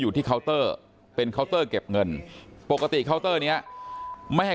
อยู่ที่เคาเตอร์เป็นเคาเตอร์เก็บเงินปกติเคาเตอร์นเนี่ยไม่ให้